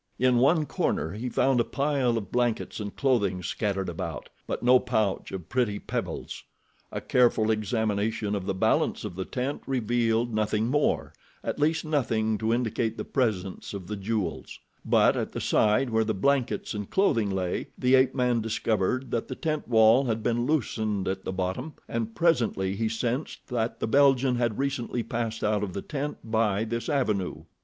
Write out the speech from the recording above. In one corner he found a pile of blankets and clothing scattered about; but no pouch of pretty pebbles. A careful examination of the balance of the tent revealed nothing more, at least nothing to indicate the presence of the jewels; but at the side where the blankets and clothing lay, the ape man discovered that the tent wall had been loosened at the bottom, and presently he sensed that the Belgian had recently passed out of the tent by this avenue.